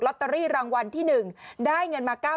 ลอตเตอรี่รางวัลที่หนึ่งได้เงินมา